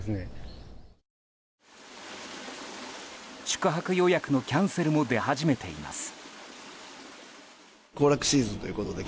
宿泊予約のキャンセルも出始めています。